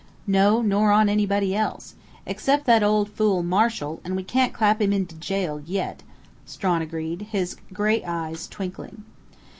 "No, nor on anybody else, except that old fool, Marshall, and we can't clap him into jail yet," Strawn agreed, his grey eyes twinkling.